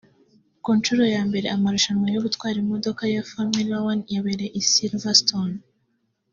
Ku nshuro ya mbere amarushanwa yo gutwara imodoka ya Formula One yabereye I Silverstone